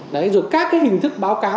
đấy rồi các cái hình thức báo cáo